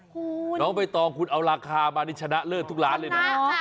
คุณน้องเบตองคุณเอาราคามาดิฉนะเลิศทุกร้านเลยเนอะ